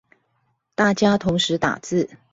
大家同時打字